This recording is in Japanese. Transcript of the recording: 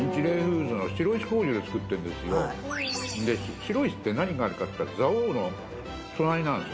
白石って何があるかって言ったら蔵王の隣なんですよ